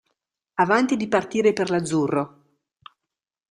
Avanti di partire per l'azzurro.